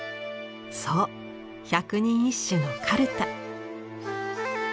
そう百人一首のカルタ。